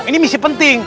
ini misi penting